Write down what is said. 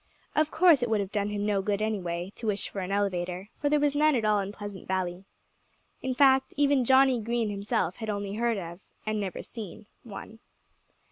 Of course it would have done him no good, anyway, to wish for an elevator, for there was none in all Pleasant Valley. In fact, even Johnnie Green himself had only heard of and never seen one.